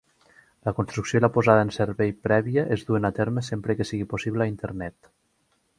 La construcció i la posada en servei prèvia es duen a terme sempre que sigui possible a Internet.